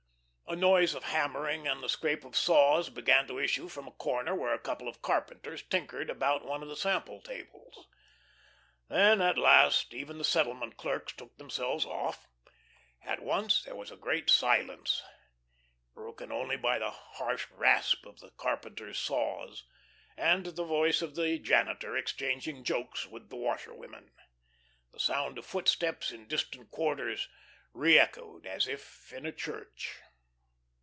A noise of hammering and the scrape of saws began to issue from a corner where a couple of carpenters tinkered about one of the sample tables. Then at last even the settlement clerks took themselves off. At once there was a great silence, broken only by the harsh rasp of the carpenters' saws and the voice of the janitor exchanging jokes with the washerwomen. The sound of footsteps in distant quarters re echoed as if in a church.